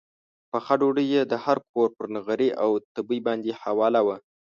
پخه ډوډۍ یې د هر کور پر نغري او تبۍ باندې حواله وه.